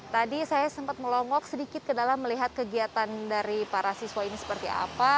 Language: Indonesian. tadi saya sempat melongok sedikit ke dalam melihat kegiatan dari para siswa ini seperti apa